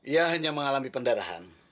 ia hanya mengalami pendarahan